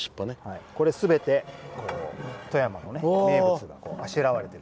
これ、すべて富山の名物があしらわれてて。